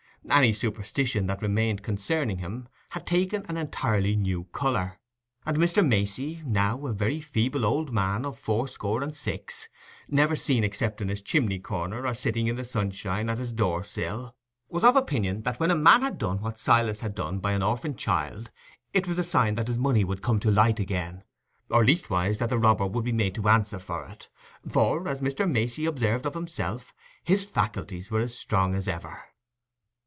Any superstition that remained concerning him had taken an entirely new colour; and Mr. Macey, now a very feeble old man of fourscore and six, never seen except in his chimney corner or sitting in the sunshine at his door sill, was of opinion that when a man had done what Silas had done by an orphan child, it was a sign that his money would come to light again, or leastwise that the robber would be made to answer for it—for, as Mr. Macey observed of himself, his faculties were as strong as ever.